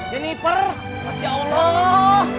jennifer masya allah